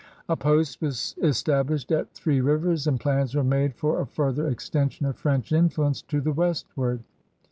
A post was established at Three Rivers, and plans were made for a further extension of French influence to the westward.